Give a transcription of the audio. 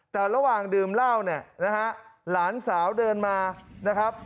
แต่ระหว่างดื่มเหล้าเนี่ยนะฮะหลานสาวเดินมานะครับ